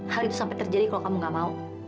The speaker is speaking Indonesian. hal itu sampai terjadi kalau kamu gak mau